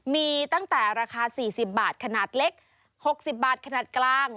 มีตั้งแต่ราคา๔๐บาทขนาดเล็ก๖๐บาทขนาดกลาง